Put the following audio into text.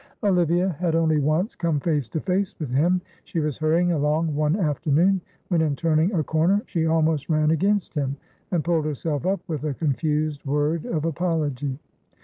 Olivia had only once come face to face with him. She was hurrying along one afternoon, when in turning a corner she almost ran against him, and pulled herself up with a confused word of apology.